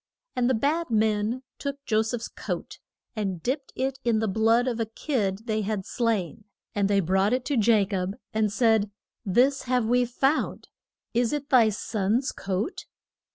And the bad men took Jo seph's coat and dipped it in the blood of a kid they had slain. And they brought it to Ja cob, and said, This have we found. Is it thy son's coat?